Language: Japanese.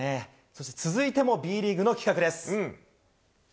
そして続いてもＢリーグの企画です。